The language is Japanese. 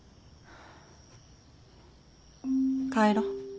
帰ろう。